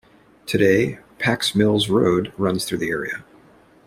Today, Packs Mills Road runs through the area.